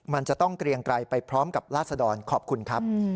มันจะต้องเกรียงไกลไปพร้อมกับลาศดรขอบคุณครับ